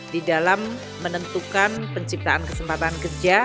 di dalam menentukan penciptaan kesempatan kerja